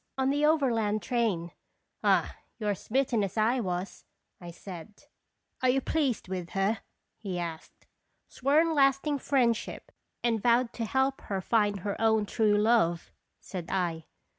" On the overland train. Ah, you are smit ten, as 1 was," I said. Seronb (Earfc toins." 243 " Are you pleased with her?" he asked. Sworn lasting friendship, and vowed to help her find her own true love," said I.